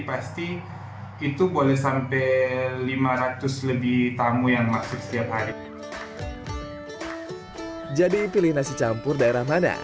pasti itu boleh sampai lima ratus lebih tamu yang masuk setiap hari jadi pilih nasi campur daerah mana